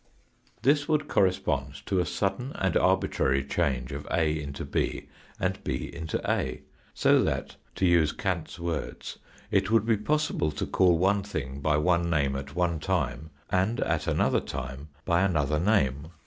This 112 THE FOURTH DIMENSION would correspond to a sudden and arbitrary change of rt into 6 and b into a, so that, to use Kant's words, it would be possible to call one thing by one name at one time and at another time by another name.